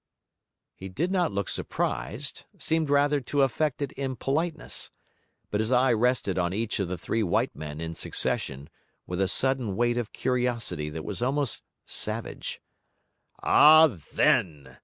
He did not look surprised, seemed rather to affect it in politeness; but his eye rested on each of the three white men in succession with a sudden weight of curiosity that was almost savage. 'Ah, THEN!'